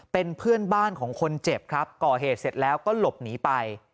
เป็นเพื่อนบ้านของคนเจ็บครับก่อเหตุเสร็จแล้วก็หลบหนีไป